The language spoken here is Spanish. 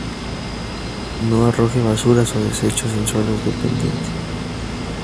No arroje basuras o desechos en suelos de pendiente.